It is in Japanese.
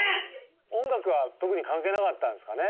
音楽は特に関係なかったんですかね？